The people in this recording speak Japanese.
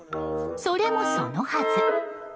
それもそのはず。